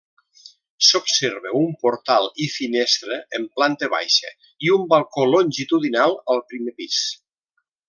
S'observa un portal i finestra en planta baixa i un balcó longitudinal al primer pis.